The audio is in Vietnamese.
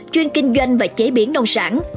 chuyên kinh doanh và chế biến nông sản